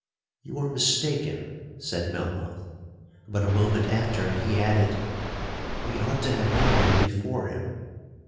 '—'You are mistaken,' said Melmoth; but a moment after he added, 'We ought to have been there before him.'